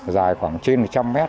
dài khoảng trên một trăm linh mét